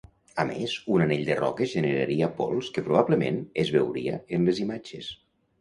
A més, un anell de roques generaria pols que probablement es veuria en les imatges.